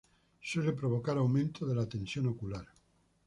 Suele provocar aumento de la tensión ocular.